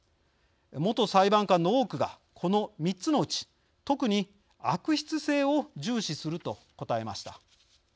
元裁判官の多くがこの３つのうち特に、悪質性を重視すると答えました。